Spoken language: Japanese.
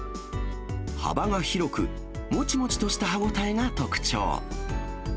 幅が広く、もちもちとした歯応えが特徴。